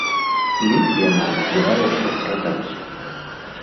Іх яна збіралася прадаць.